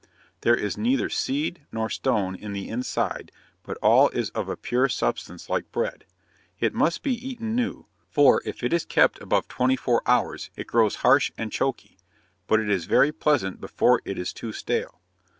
There is neither seed nor stone in the inside, but all is of a pure substance like bread. It must be eaten new; for if it is kept above twenty four hours, it grows harsh and choaky; but it is very pleasant before it is too stale.